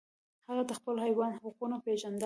هغه د خپل حیوان حقونه پیژندل.